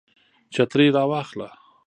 چترۍ را واخله